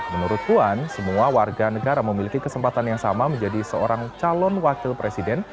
menurut puan semua warga negara memiliki kesempatan yang sama menjadi seorang calon wakil presiden